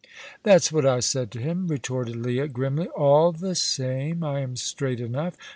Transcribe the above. "That's what I said to him," retorted Leah, grimly. "All the same, I am straight enough.